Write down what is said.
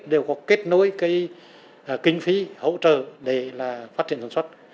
đều có kết nối cái kinh phí hỗ trợ để phát triển sản xuất